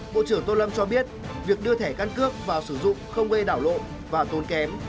bộ trưởng tô lâm cho biết việc đưa thẻ căn cước vào sử dụng không gây đảo lộ và tốn kém